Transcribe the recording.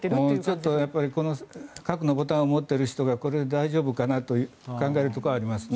ちょっとこの核のボタンを持っている人がこれで大丈夫かなと考えるところはありますね。